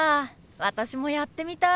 私もやってみたい。